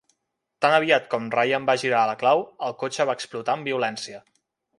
Tan aviat com Ryan va girar la clau, el cotxe va explotar amb violència.